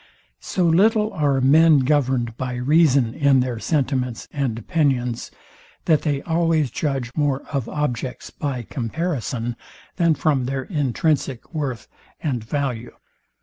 So little are men governed by reason in their sentiments and opinions, that they always judge more of objects by comparison than from their intrinsic worth and value.